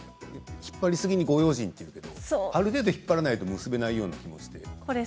引っ張りすぎにご用心と言ってるけどある程度引っ張らないと結べない気がします。